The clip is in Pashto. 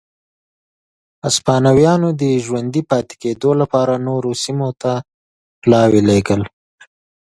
هسپانویانو د ژوندي پاتې کېدو لپاره نورو سیمو ته پلاوي لېږل.